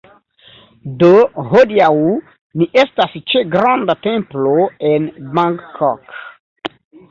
Do hodiaŭ ni estas ĉe granda templo en Bangkok